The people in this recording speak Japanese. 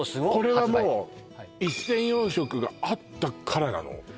これはもう一銭洋食があったからなの？